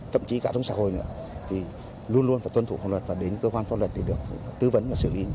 thậm chí cả trong xã hội nữa thì luôn luôn phải tuân thủ pháp luật và đến cơ quan pháp luật để được tư vấn và xử lý